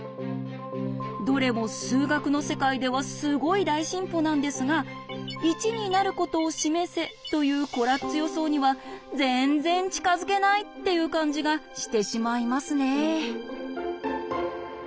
どれも数学の世界ではすごい大進歩なんですが「１になることを示せ」というコラッツ予想には全然近づけないっていう感じがしてしまいますね。